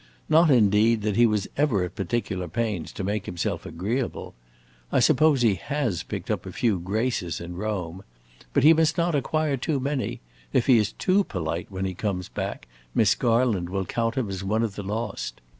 Not, indeed, that he was ever at particular pains to make himself agreeable! I suppose he has picked up a few graces in Rome. But he must not acquire too many: if he is too polite when he comes back, Miss Garland will count him as one of the lost.